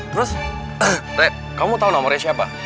terus re kamu tau nomornya siapa